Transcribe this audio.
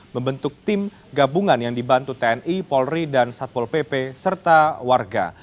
membentuk tim gabungan yang dibantu tni polri dan satpol pp serta warga